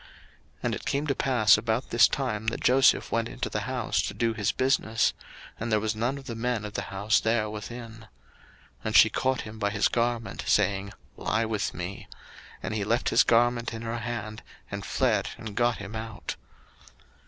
01:039:011 And it came to pass about this time, that Joseph went into the house to do his business; and there was none of the men of the house there within. 01:039:012 And she caught him by his garment, saying, Lie with me: and he left his garment in her hand, and fled, and got him out.